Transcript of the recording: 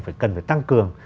phải cần phải tăng cường